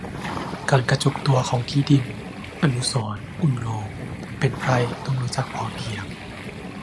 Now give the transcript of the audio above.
การกระจุกตัวของที่ดิน อนุสรณ์ อุณโณ: เป็นไพร่ต้องรู้จักพอเพียง